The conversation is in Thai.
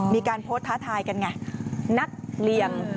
มีการโพสต์ท้าทายกันไง